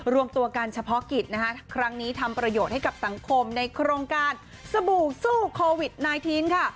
รวมตัวกันเฉพาะกิจนะคะครั้งนี้ทำประโยชน์ให้กับสังคมในโครงการสบู่สู้โควิด๑๙ค่ะ